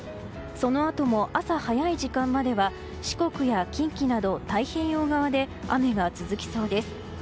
そのあとも朝早い時間までは四国や近畿など太平洋側で雨が続きそうです。